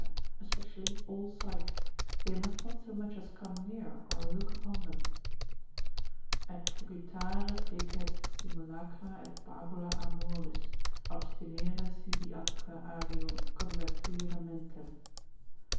especially all sight, they must not so much as come near, or look upon them. Et fugitare decet simulacra et pabula amoris, Abstinere sibi atque alio convertere mentem.